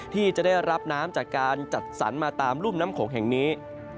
ที่จะได้รับน้ำจากการจัดสรรมาตามรุ่มน้ำโขงแห่งนี้